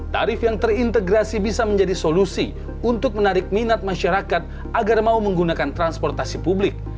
tarif yang terintegrasi bisa menjadi solusi untuk menarik minat masyarakat agar mau menggunakan transportasi publik